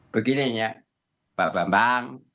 begini ya pak bambang